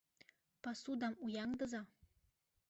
ПАСУДАМ ӰЯҤДЫЗА